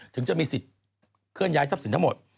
ถึงจะมีสิทธิ์เคลื่อนย้ายทรัพย์สินทั้งหมด